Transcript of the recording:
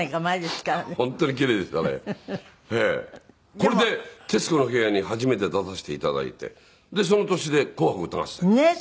これで『徹子の部屋』に初めて出させて頂いてでその年で『紅白歌合戦』。